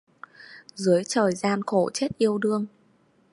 Dưới trời gian khổ chết yêu đương